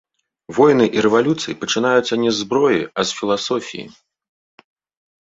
Войны і рэвалюцыі пачынаюцца не з зброі, а з філасофіі.